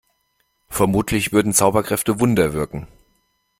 Vermutlich würden Zauberkräfte Wunder wirken.